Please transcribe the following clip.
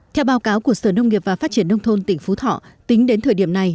theo báo cáo của sở nông nghiệp và phát triển nông thôn tỉnh phú thọ tính đến thời điểm này